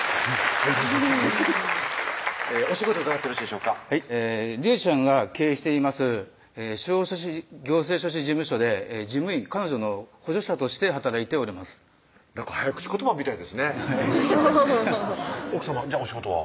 お仕事伺ってよろしいでしょうかはい利恵ちゃんが経営しています司法書士・行政書士事務所で事務員彼女の補助者として働いておりますなんか早口言葉みたいですねはい奥さまじゃあお仕事は？